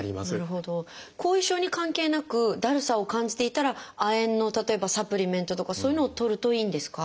後遺症に関係なくだるさを感じていたら亜鉛の例えばサプリメントとかそういうのをとるといいんですか？